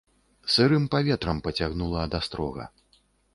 Сырым паветрам пацягнула ад астрога.